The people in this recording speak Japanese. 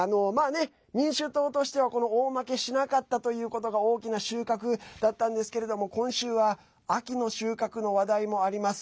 民主党としては大負けしなかったということが大きな収穫だったんですけれども今週は秋の収穫の話題もあります。